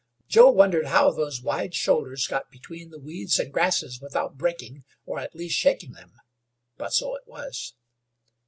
Joe wondered how those wide shoulders got between the weeds and grasses without breaking, or, at least, shaking them. But so it was.